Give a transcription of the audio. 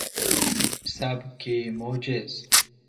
سبک موجز